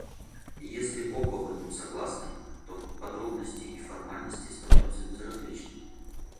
И если оба в этом согласны, то подробности и формальности становятся безразличны.